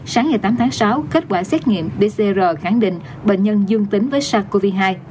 sáng ngày tám tháng sáu kết quả xét nghiệm pcr khẳng định bệnh nhân dương tính với sars cov hai